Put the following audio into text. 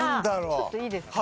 ちょっといいですか？